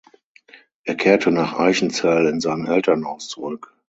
Er kehrte nach Eichenzell in sein Elternhaus zurück.